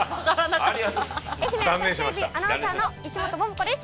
愛媛朝日テレビアナウンサーの石本桃子です。